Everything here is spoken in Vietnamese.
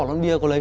căng gì biết đi